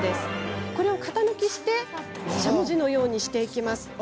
それを型抜きしてしゃもじのようにします。